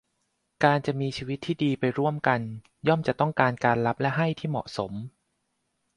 การจะมีชีวิตที่ดีไปร่วมกันย่อมจะต้องการการรับและให้ที่เหมาะสม